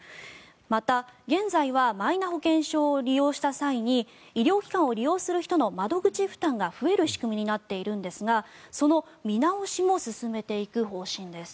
また、現在はマイナ保険証を利用した際に医療機関を利用する人の窓口負担が増える仕組みになっているんですがその見直しも進めていく方針です。